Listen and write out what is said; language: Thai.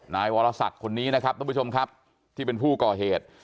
นายวรสักคนนี้นะครับทุกผู้ชมครับที่เป็นผู้ก่อเหตุ